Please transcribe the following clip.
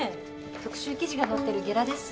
特集記事が載ってるゲラです。